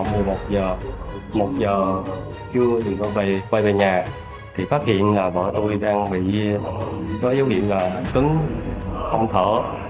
vợ tôi đi ra khỏi nhà đến trưa thì khoảng một mươi một h một h trưa thì quay về nhà thì phát hiện là vợ tôi đang bị có dấu nghiệm là cứng không thở